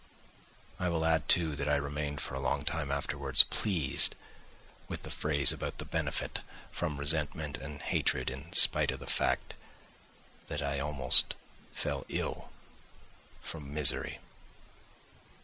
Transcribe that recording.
I will add, too, that I remained for a long time afterwards pleased with the phrase about the benefit from resentment and hatred in spite of the fact that I almost fell ill from misery.